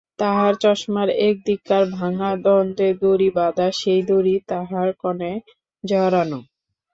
তাঁহার চশমার এক দিককার ভাঙা দণ্ডে দড়ি বাঁধা, সেই দড়ি তাঁহার কানে জড়ানো।